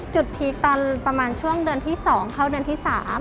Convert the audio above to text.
พีคตอนประมาณช่วงเดือนที่๒เข้าเดือนที่๓